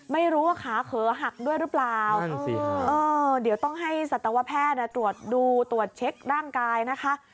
ไม่รู้ว่าขาเขอหักด้วยหรือเปล่าเดี๋ยวต้องให้สัตวแพทย์ตรวจดูตรวจเช็คร่างกายนะคะ